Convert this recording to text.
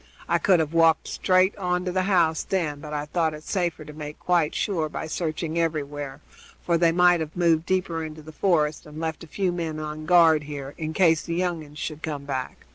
I could have walked straight on to the house, then, but I thought it safer to make quite sure by searching everywhere, for they might have moved deeper into the forest, and left a few men on guard here, in case the young uns should come back.